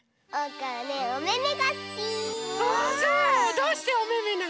どうしておめめなの？